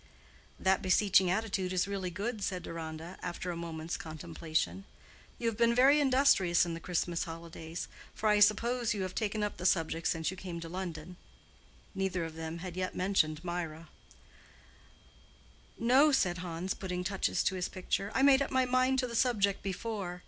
"That beseeching attitude is really good," said Deronda, after a moment's contemplation. "You have been very industrious in the Christmas holidays; for I suppose you have taken up the subject since you came to London." Neither of them had yet mentioned Mirah. "No," said Hans, putting touches to his picture, "I made up my mind to the subject before.